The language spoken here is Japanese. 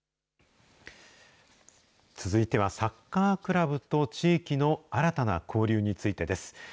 続いてはサッカークラブと地域の新たな交流についてです。